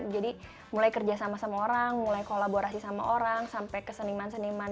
jadi mulai kerja sama sama orang mulai kolaborasi sama orang sampai ke seniman seniman